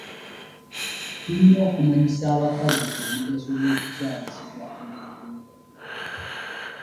Tulina okumanyisa abakazi omugaso ogw'okuzaalisibwa omuntu omukugu.